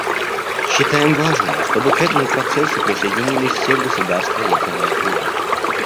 Считаем важным, чтобы к этому процессу присоединились все государства «ядерного клуба».